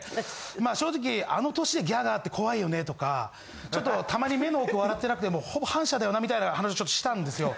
まあ正直あの年でギャガーって怖いよねとかちょっとたまに目の奥笑ってなくてもうほぼ反社だよなみたいな話ちょっとしたんですよ。